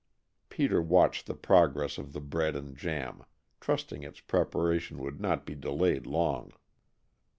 Peter watched the progress of the bread and jam, trusting its preparation would not be delayed long.